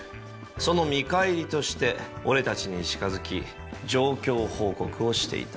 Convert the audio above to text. その見返りとして俺たちに近づき状況報告をしていた。